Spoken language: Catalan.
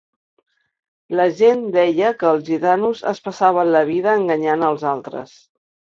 La gent deia que els gitanos es passaven la vida enganyant els altres.